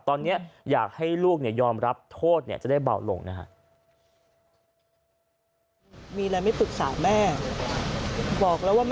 ตอนนี้อยากให้ลูกเนี่ยยอมรับโทษเนี่ยจะได้เบาลงนะครับ